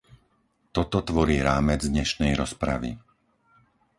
Toto tvorí rámec dnešnej rozpravy.